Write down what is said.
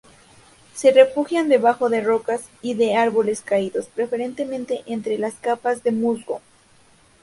Se refugian debajo de rocas y árboles caídos, preferentemente entre las capas de musgo.